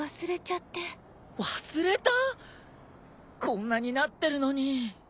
こんなになってるのに。